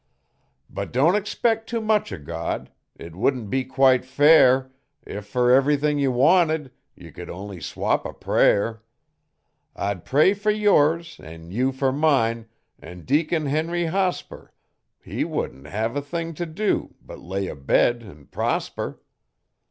But don't expect too much o' God, it wouldn't be quite fair If fer everything ye wanted ye could only swap a prayer; I'd pray fer yours an' you fer mine an' Deacon Henry Hospur He wouldn't hev a thing t' do but lay a bed an' prosper.